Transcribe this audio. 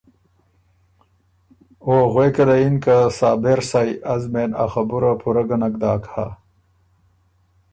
او غوېکه له یِن که ” صابر سئ از مېن ا خبُره پورۀ ګه نک داک هۀ“